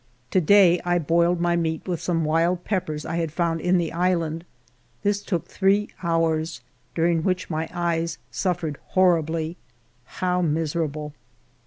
To day I boiled my meat with some wild peppers I had found in the island. This took three hours, during which my eyes suffered horribly. How miserable